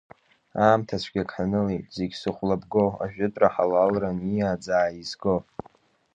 Аамҭацәгьак ҳанылеит, зегь зыхәлабго, ажәытәра ҳалалра ниаӡаа изго!